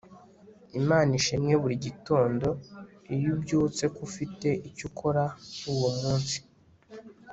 imana ishimwe buri gitondo iyo ubyutse ko ufite icyo ukora uwo munsi